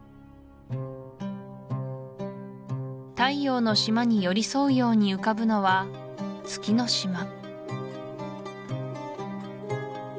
太陽の島に寄り添うように浮かぶのは月の島